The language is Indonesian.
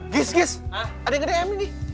gis gis ada yang nge dm nih